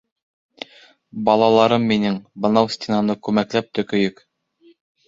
Балаларым минең, бынау стенаны күмәкләп төкөйөк!